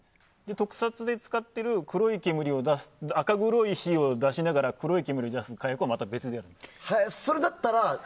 特撮で使ってる赤黒い煙を出しながら黒い煙を出す火薬はまた別にあるんです。